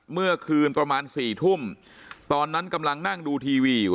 เมื่อคืนประมาณ๔ทุ่มตอนนั้นกำลังนั่งดูทีวีอยู่